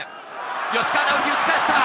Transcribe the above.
吉川尚輝、打ち返した。